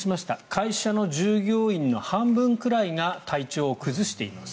会社の従業員の半分くらいが体調を崩しています。